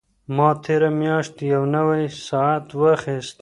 ما تېره میاشت یو نوی ساعت واخیست.